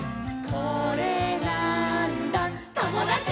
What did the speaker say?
「これなーんだ『ともだち！』」